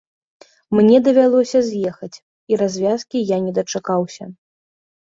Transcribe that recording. Мне давялося з'ехаць, і развязкі я не дачакаўся.